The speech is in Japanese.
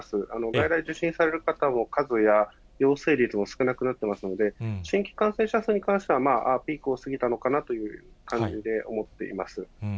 外来受診される方の数や陽性率も少なくなってますので、新規感染者数に関しては、まあ、ピークを過ぎたのかなという感じで思っています。